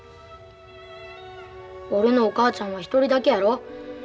俺のお母ちゃんは一人だけやろ。